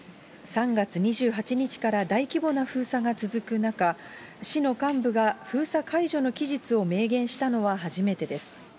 ３月２８日から大規模な封鎖が続く中、市の幹部が封鎖解除の期日を明言したのは初めてです。